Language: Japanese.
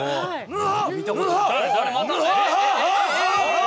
うわ！